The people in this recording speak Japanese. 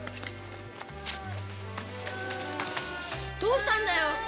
どうしたんだよ？